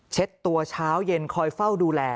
ตัวเช้าเย็นคอยเฝ้าดูแล